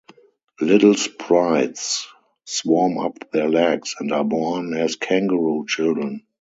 Little sprites swarm up their legs and are born as kangaroo children.